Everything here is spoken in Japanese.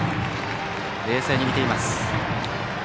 冷静に見ています。